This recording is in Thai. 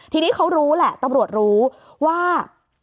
ทีนี้เขารู้แหละตำรวจรู้ว่า